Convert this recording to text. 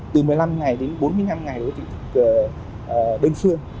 từ một mươi năm ngày đến bốn mươi năm ngày với thị thực đơn phương